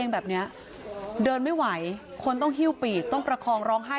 พระเจ้าที่อยู่ในเมืองของพระเจ้า